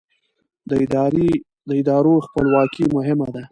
د ادارو خپلواکي مهمه ده